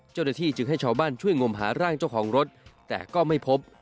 เจ้าหน้าที่จึงให้ชาวบ้านช่วยงมหาร่างเจ้าของรถแต่ก็ไม่พบ